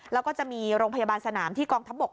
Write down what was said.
แล้วก็จะมีโรงพยาบาลสนามที่กองทัพบก